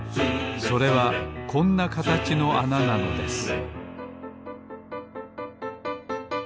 それはこんなかたちのあななのです